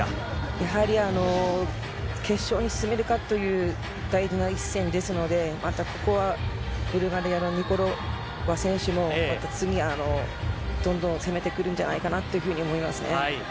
やはり決勝に進めるかという大事な一戦ですので、またここはブルガリアのニコロワ選手もまた次、どんどん攻めてくるんじゃないかなっていうふうに思いますね。